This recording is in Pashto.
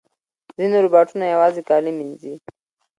ځینې روباټونه یوازې کالي مینځي.